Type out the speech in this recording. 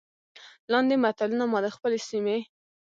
لاندې متلونه ما د خپلې سيمې